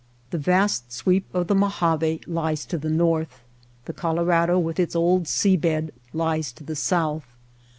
The vast sweep of the Mojave lies to the north ; the Colorado with its old sea bed lies to the south.